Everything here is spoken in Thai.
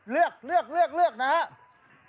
เลือกนะครับ